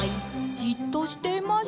「じっとしていましょう」